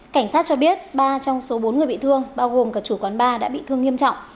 cảnh sát cho biết ba trong số bốn người bị thương bao gồm cả chủ quán bar đã bị thương nghiêm trọng